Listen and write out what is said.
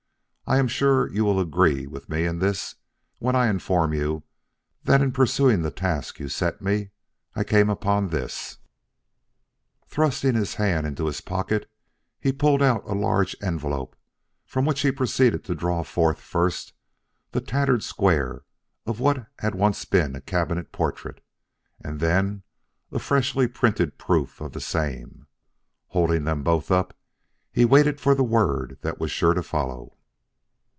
I am sure you will agree with me in this when I inform you that in pursuing the task you set me, I came upon this." Thrusting his hand into his pocket, he pulled out a large envelope from which he proceeded to draw forth first the tattered square of what had once been a cabinet portrait, and then a freshly printed proof of the same. Holding them both up, he waited for the word that was sure to follow.